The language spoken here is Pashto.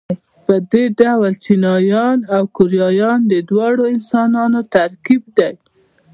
په دې ډول چینایان او کوریایان د دواړو انسانانو ترکیب دي.